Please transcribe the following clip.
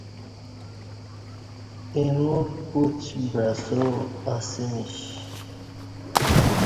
اِیمو پوچ بعسا اسہ میش